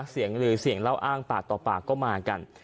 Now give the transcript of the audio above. หรือเสียงเล่าอ้างปากต่อปากก็มากัน